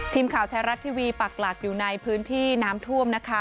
ทีมข่าวไทยรัฐทีวีปักหลักอยู่ในพื้นที่น้ำท่วมนะคะ